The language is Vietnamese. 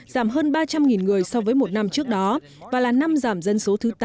giảm hơn ba trăm linh người so với một năm trước đó và là năm giảm dân số thứ tám